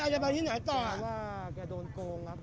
จะไปที่ไหนน่ะต่อ